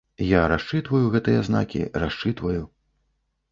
Я расчытваю гэтыя знакі, расчытваю.